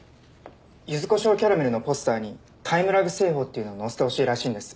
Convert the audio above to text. ゆずこしょうキャラメルのポスターにタイムラグ製法っていうのを載せてほしいらしいんです。